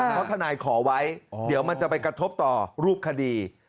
เพราะทนายขอไว้เดี๋ยวมันจะไปกระทบต่อรูปคดี